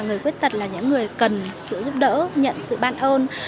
người khuyết tật là những người cần sự giúp đỡ nhận sự ban ôn